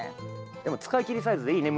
でも使い切りサイズでいいね